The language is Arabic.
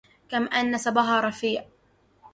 كما أن نسبها رفيع